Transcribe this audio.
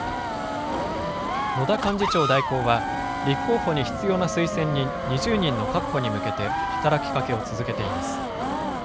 野田幹事長代行は、立候補に必要な推薦人２０人の確保に向けて、働きかけを続けています。